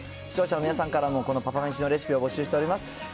視聴者の皆さんからもこのパパめしのレシピを募集しております。